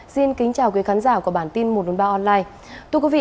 xin kính chào quý khán giả của bản tin một trăm linh ba online